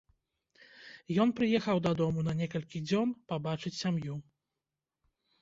Ён прыехаў дадому на некалькі дзён пабачыць сям'ю.